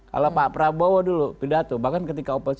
kalau pak prabowo dulu pidato bahkan ketika oposisi